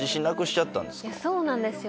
そうなんですよ。